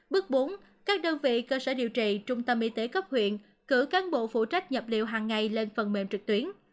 bước bốn các đơn vị cơ sở điều trị trung tâm y tế cấp huyện cử cán bộ phụ trách nhập liệu hàng ngày lên phần mềm trực tuyến